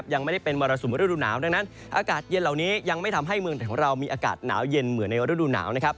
ยังไม่ได้เป็นมรสุมฤดูหนาวดังนั้นอากาศเย็นเหล่านี้ยังไม่ทำให้เมืองไทยของเรามีอากาศหนาวเย็นเหมือนในฤดูหนาวนะครับ